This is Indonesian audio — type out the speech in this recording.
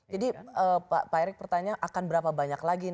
jadi pak erick pertanyaan akan berapa banyak lagi natos